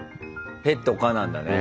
ペット可なんだね。